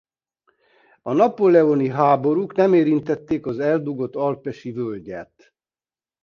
A napóleoni háborúk nem érintették az eldugott alpesi völgyet.